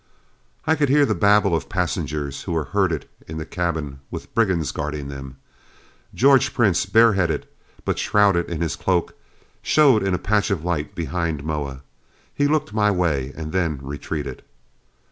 I could hear the babble of passengers who were herded in the cabin with brigands guarding them. George Prince, bare headed, but shrouded in his cloak, showed in a patch of light behind Moa. He looked my way and then retreated.